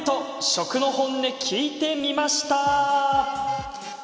食の本音、聞いてみました。